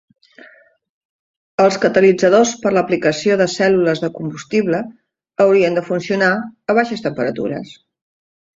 Els catalitzadors per a l'aplicació de cèl·lules de combustible haurien de funcionar a baixes temperatures.